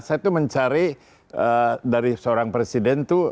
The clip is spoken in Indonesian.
saya itu mencari dari seorang presiden itu